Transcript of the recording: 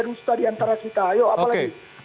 rusuh diantara kita yuk apa lagi